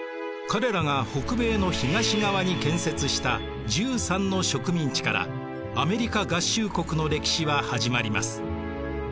彼らが北米の東側に建設した１３の植民地からアメリカ合衆国の歴史は始まります。